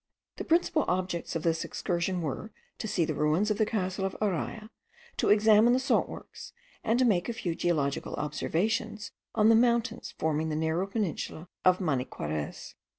The principal objects of this excursion were, to see the ruins of the castle of Araya, to examine the salt works, and to make a few geological observations on the mountains forming the narrow peninsula of Maniquarez.